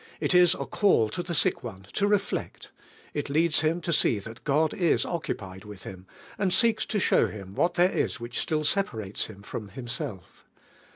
It is a call to the sick one to reflect; it leads him to see (hat Gad is occupied with him, and seeks to show him what there is which still separates him from Himself.